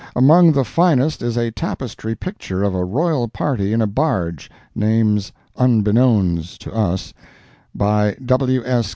Among the finest is a tapestry picture of a royal party in a barge—names "unbeknowns" to us—by W. S.